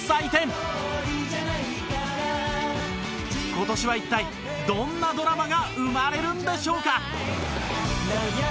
今年は一体、どんなドラマが生まれるのでしょうか？